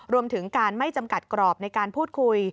รวมถึงการไม่จำกัดกรอบในการพูดคุย